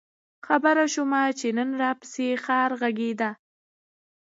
خبـــــر شومه چې نن راپســـې ښار غـــــږېده؟